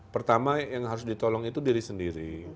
pertama yang harus ditolong itu diri sendiri